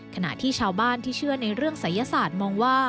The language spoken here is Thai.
ขณะที่ชาวบ้านที่เชื่อในเรื่องศัยศาสตร์มองว่า